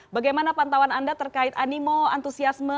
bagaimana pantauan anda terkait animo antusiasme